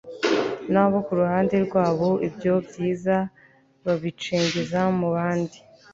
nabo ku ruhande rwabo ibyo byiza babicengeza mu bandi